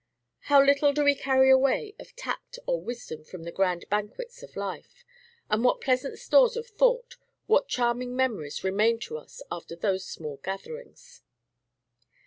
How little do we carry away of tact or wisdom from the grand banquets of life; and what pleasant stores of thought, what charming memories remain to us, after those small gatherings!